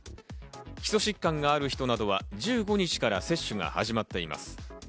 基礎疾患がある人などは１５日から接種が始まっています。